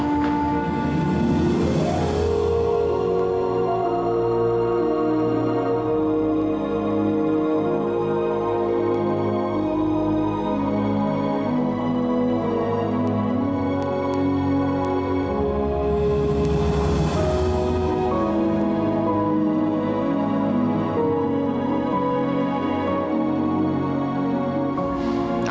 aku gak tahu